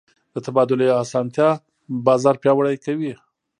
د تبادلې اسانتیا بازار پیاوړی کوي.